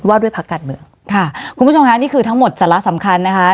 ว่าด้วยพักการเมืองค่ะคุณผู้ชมค่ะนี่คือทั้งหมดสาระสำคัญนะคะ